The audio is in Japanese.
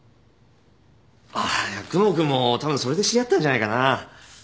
あっ久能君もたぶんそれで知り合ったんじゃないかな？